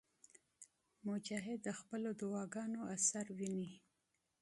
مجاهد د خپلو دعاګانو اثر ویني.